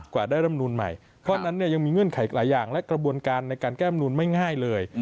กว่าได้รำนูนใหม่เพราะฉะนั้นเนี่ยยังมีเงื่อนไขหลายอย่างและกระบวนการในการแก้มนูนไม่ง่ายเลย